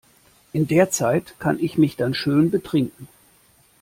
In der Zeit kann ich mich dann schön betrinken.